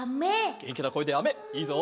げんきなこえであめいいぞ！